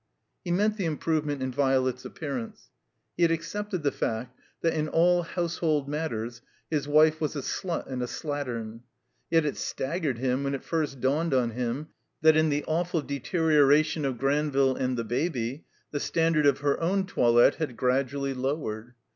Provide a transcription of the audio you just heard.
He meant the improvement in Violet's appear ance. He had accepted the fact that, in all house hold matters, his wife was a slut and a slattern; yet it staggered him when it first dawned on him that, in the awful deterioration of Granville and the Baby, the standard of her own toilette had gradually lowered.